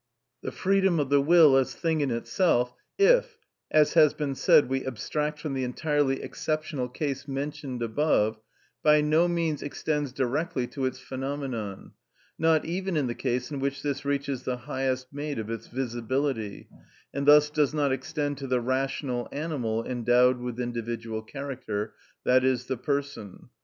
The freedom of the will as thing in itself, if, as has been said, we abstract from the entirely exceptional case mentioned above, by no means extends directly to its phenomenon, not even in the case in which this reaches the highest made of its visibility, and thus does not extend to the rational animal endowed with individual character, i.e., the person.